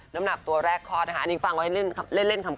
น้ำหนักตัวแรกคลอดนะคะอันนี้ฟังไว้เล่นคำ